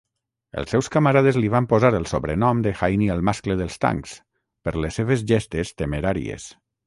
Els seus camarades li van posar el sobrenom de "Heinie el mascle dels tancs" per les seves gestes temeràries.